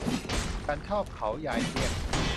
ฉันชอบเขายายเที่ยง